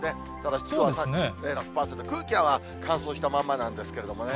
湿度は３６％、空気は乾燥したまんまなんですけれどもね。